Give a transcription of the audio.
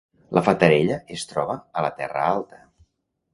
La Fatarella es troba a la Terra Alta